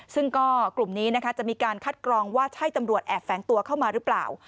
ซึ่งก็กลุ่มนี้นะคะจะมีการคัดกรองว่าใช่ตำรวจแอบแฝงตัวเข้ามาหรือเปล่า